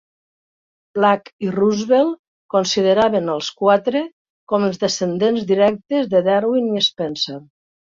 Black i Roosevelt consideraven als Quatre com els descendents directes de Darwin i Spencer.